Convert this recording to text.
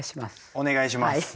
お願いします。